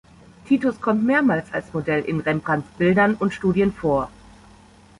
Titus kommt mehrmals als Modell in Rembrandts Bildern und Studien vor.